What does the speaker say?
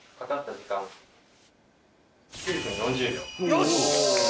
「よし！」